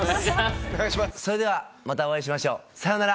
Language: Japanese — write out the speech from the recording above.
それではまたお会いしましょう。さようなら。